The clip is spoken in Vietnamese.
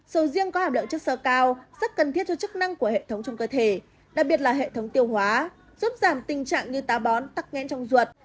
sầu riêng có hạm lượng chất sơ cao rất cần thiết cho chức năng của hệ thống trong cơ thể đặc biệt là hệ thống tiêu hóa giúp giảm tình trạng như tá bón tắc nghẽn trong ruột